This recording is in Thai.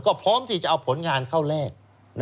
ก็พร้อมที่จะเอาผลงานเข้าแรก